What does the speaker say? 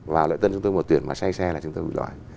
vào lễ dân chúng tôi một tuyển mà say xe là chúng tôi bị loại